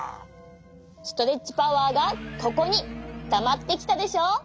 ストレッチパワーがここにたまってきたでしょ。